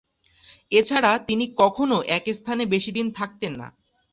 এছাড়া তিনি কখনও এক স্থানে বেশি দিন থাকতেন না।